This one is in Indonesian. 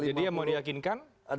jadi yang mau diyakinkan